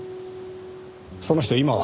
その人今は？